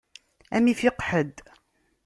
Ad m-ifiq ḥedd.